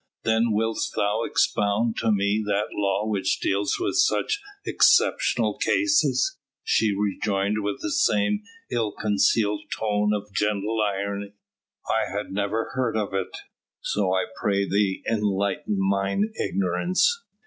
"Then wilt thou expound to me that law which deals with such exceptional cases?" she rejoined with the same ill concealed tone of gentle irony. "I had never heard of it; so I pray thee enlighten mine ignorance.